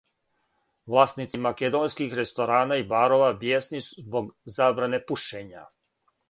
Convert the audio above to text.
Власници македонских ресторана и барова бијесни због забране пушења